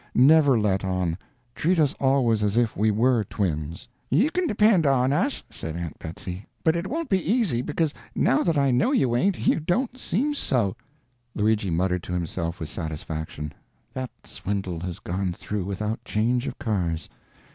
Never let on; treat us always as if we were twins." "You can depend on us," said Aunt Betsy, "but it won't be easy, because now that I know you ain't you don't seem so." Luigi muttered to himself with satisfaction: "That swindle has gone through without change of cars."